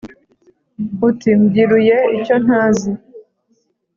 Uti: mbyiruye icyontazi.